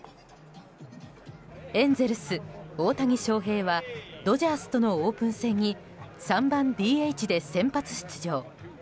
エンゼルス、大谷翔平はドジャースとのオープン戦に３番ＤＨで先発出場。